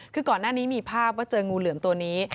คือก่อนหน้านี้มีภาพว่าเจองูเหลือมตัวนี้